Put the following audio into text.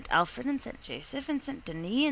Alfred and S. Joseph and S. Denis and S.